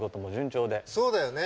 そうだよね。